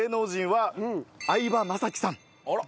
あら！